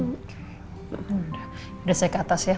sudah saya ke atas ya